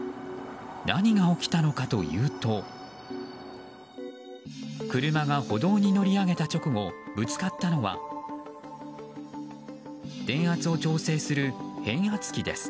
何が起きたのかというと車が歩道に乗り上げた直後ぶつかったのは電圧を調整する変圧器です。